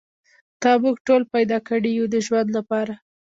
تا موږ ټول پیدا کړي یو د ژوند لپاره.